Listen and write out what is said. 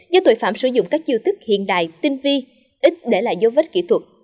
do tội phạm sử dụng các chiêu thức hiện đại tinh vi ít để lại dấu vết kỹ thuật